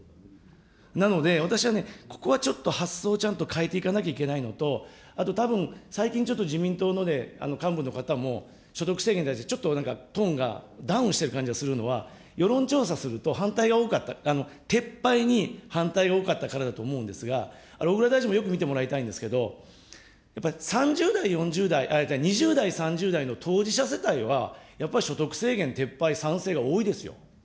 なので、私はね、ここはちょっと発想をちゃんと変えていかなきゃいけないのと、あとたぶん、最近ちょっと自民党の幹部の方も、所得制限に対して、ちょっとなんか、トーンがダウンしてるような感じがするのは、世論調査すると反対が多かった、撤廃に反対が多かったからだと思うんですが、小倉大臣もよく見てもらいたいんですけど、やっぱり３０代、４０代、あっ、違う、２０代、３０代の当事者世帯は、やっぱり所得制限撤廃賛成が多いですよ。